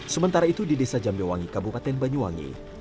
sementara itu di desa jambewangi kabupaten banyuwangi